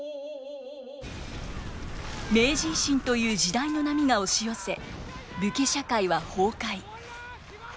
明治維新という時代の波が押し寄せ武家社会は崩壊。